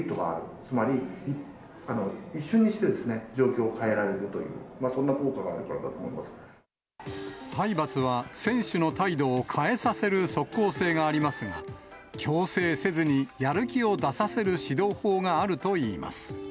つまり一瞬にして状況を変えられるという、そんな効果があるから体罰は選手の態度を変えさせる即効性がありますが、強制せずにやる気を出させる指導法があるといいます。